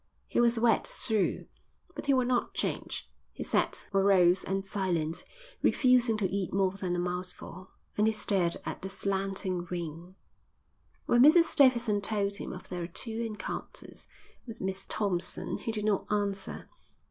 He was wet through, but he would not change. He sat, morose and silent, refusing to eat more than a mouthful, and he stared at the slanting rain. When Mrs Davidson told him of their two encounters with Miss Thompson he did not answer.